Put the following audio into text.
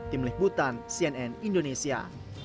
tim lih butan cnn indonesia